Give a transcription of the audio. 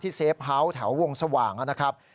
เซฟเฮาส์แถววงสว่างนะครับ